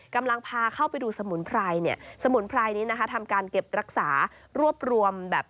กำลังพาเข้าไปดูสมุนไพรเนี่ยสมุนไพรนี้นะคะทำการเก็บรักษารวบรวมแบบ